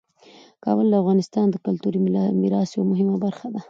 کابل د افغانستان د کلتوري میراث یوه مهمه برخه ده.